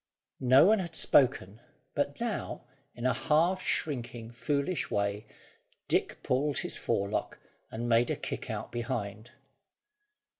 No one had spoken; but now, in a half shrinking foolish way, Dick pulled his forelock, and made a kick out behind.